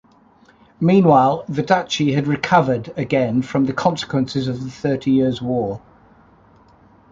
Meanwhile, the duchy had recovered again from the consequences of the Thirty Years' War.